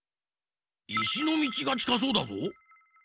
いしのみちがちかそうだぞ。